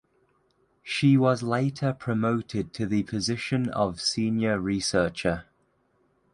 She was later promoted to the position of Senior Researcher.